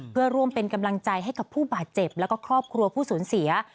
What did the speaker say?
เพื่อร่วมเป็นกำลังใจให้กับผู้บาดเจ็บแล้วก็ครอบครัวผู้สูญเสีย